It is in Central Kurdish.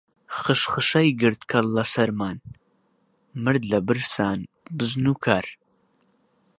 خشخشەی گرت کەڵ لە سەرمان، مرد لە برسان بزن و کار